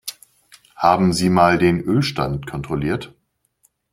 Haben Sie mal den Ölstand kontrolliert?